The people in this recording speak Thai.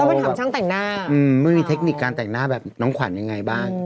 ไม่มีเทคนิคการแต่งหน้าแบบน้องขวัญยังไงบ้าง